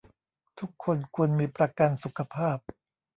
ทุกคนควรมีประกันสุขภาพ